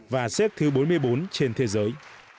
và xếp thứ bốn mươi bốn trên thế giới